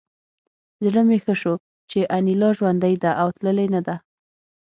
زړه مې ښه شو چې انیلا ژوندۍ ده او تللې نه ده